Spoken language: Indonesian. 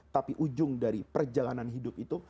tapi ujung dari perjalanan hidup itu